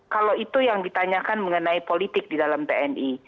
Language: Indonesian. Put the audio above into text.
kalau itu yang ditanyakan mengenai politik di dalam tni